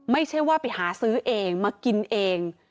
ไม่ใช่ว่าไปหาซื้อเองมากินเอง